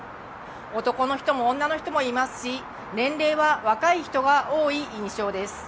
男の人も女の人もいますし、年齢は若い人が多い印象です。